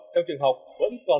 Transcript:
trong trường học vẫn còn